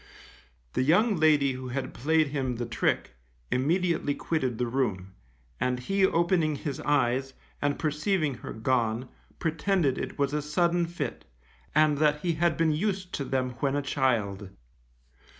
The young lady who had played him the trick, immediately quitted the room, and he opening his eyes, and perceiving her gone, pretended it was a sudden fit, and that he had been used to them when a child.